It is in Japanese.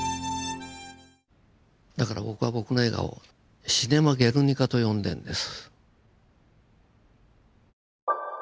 だから僕は僕の映画を「シネマ・ゲルニカ」と呼んでんです。